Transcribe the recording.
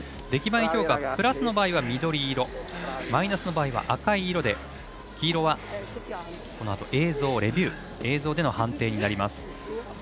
出来栄え評価プラスの場合は緑色マイナスの場合は赤い色で黄色は、このあとのレビュー映像での判定になります。